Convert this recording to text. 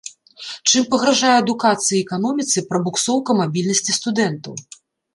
Чым пагражае адукацыі і эканоміцы прабуксоўка мабільнасці студэнтаў.